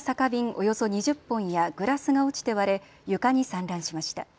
およそ２０本やグラスが落ちて割れ床に散乱しました。